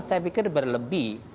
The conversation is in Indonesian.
saya pikir berlebih